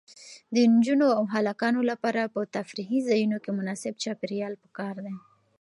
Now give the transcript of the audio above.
د نجونو او هلکانو لپاره په تفریحي ځایونو کې مناسب چاپیریال پکار دی.